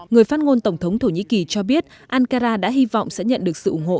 người phát ngôn tổng thống thổ nhĩ kỳ cho biết ankara đã hy vọng sẽ nhận được sự ủng hộ